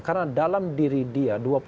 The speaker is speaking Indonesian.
karena dalam diri dia